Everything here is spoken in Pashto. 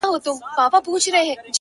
• د بلبل بیه سوه لوړه تر زرګونو ,